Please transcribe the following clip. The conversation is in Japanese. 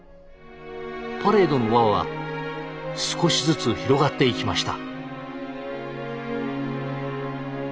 パレードの輪は少しずつ広がっていきました。